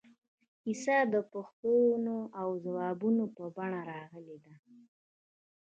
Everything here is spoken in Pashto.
کیسه د پوښتنو او ځوابونو په بڼه راغلې ده.